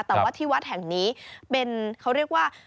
แต่ว่าที่วัดแห่งนี้เป็นเขาเรียกว่า